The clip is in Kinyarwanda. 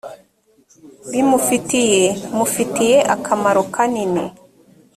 bimufitiye mufitiye akamaro kanini.